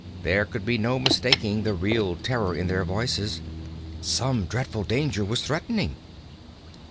There could be no mistaking the real terror in their voices. Some dreadful danger was threatening.